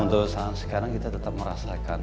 untuk saat sekarang kita tetap merasakan